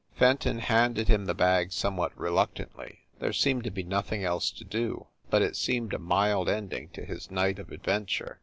Fenton handed him the bag somewhat reluctantly. There seemed to be nothing else to do, but it seemed a mild ending to his night of adventure.